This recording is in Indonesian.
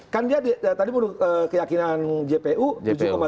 kan dia tadi menurut keyakinan jpu tujuh tiga us